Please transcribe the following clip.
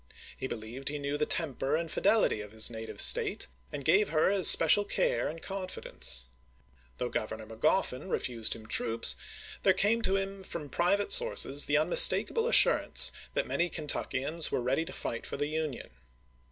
He believed he knew the temper and fidelity of his native State," and gave her his special care and confidence. Though Grovernor Magoffin refused him troops, there came to him from pri vate sources the unmistakable assurance that manj^ Kentuckians were ready to fight for the Union.